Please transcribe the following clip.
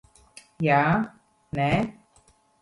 Jā. Nē.